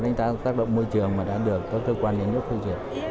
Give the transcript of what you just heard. đánh tác tác động môi trường mà đã được các cơ quan nhà nước phát triển